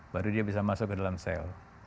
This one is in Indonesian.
baru dia bisa masuk ke dalam sel